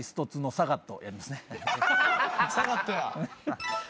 サガット。